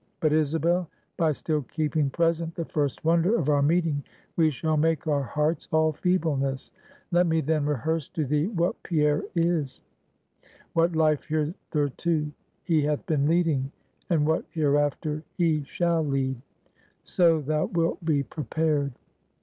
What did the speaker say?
But, Isabel, by still keeping present the first wonder of our meeting, we shall make our hearts all feebleness. Let me then rehearse to thee what Pierre is; what life hitherto he hath been leading; and what hereafter he shall lead; so thou wilt be prepared."